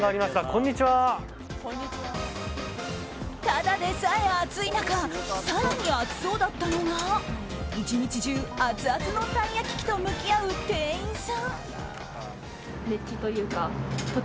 ただでさえ暑い中更に暑そうだったのが１日中、アツアツのたい焼き器と向き合う店員さん。